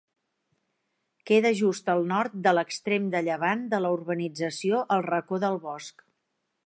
Queda just al nord de l'extrem de llevant de la urbanització el Racó del Bosc.